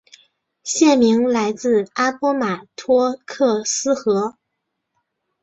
县名来自阿波马托克斯河。